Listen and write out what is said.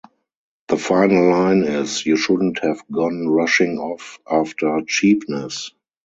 The final line is, You shouldn't have gone rushing off after cheapness.